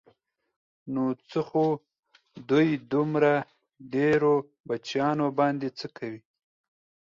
نو څه خو دوی دومره ډېرو بچیانو باندې څه کوي.